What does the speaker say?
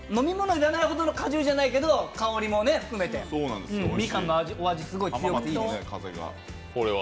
要らないほどの果汁じゃないけど、香りも含めてみかんのお味、すごく強くていいです。